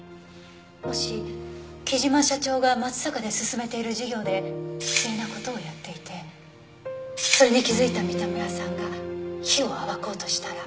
もし貴島社長が松阪で進めている事業で不正な事をやっていてそれに気づいた三田村さんが非を暴こうとしたら。